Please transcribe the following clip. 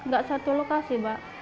gak satu lokasi pak